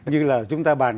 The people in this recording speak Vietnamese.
như là chúng ta bàn